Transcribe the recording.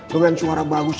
dengan suara bagusnya